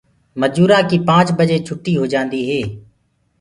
مجورآنٚ ڪيٚ پآنٚچ بجي ڇُوٽيٚ هوجآنٚديٚ هي